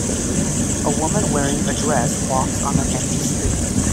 A woman wearing a dress walks on an empty street.